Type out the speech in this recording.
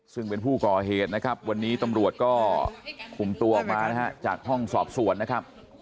ซึ่งเป็นผู้ก่อเหตุนะฮะวันนี้ตัมหลวดก็ขุมตัวออกมาจากห้องสอบสวนนะครับ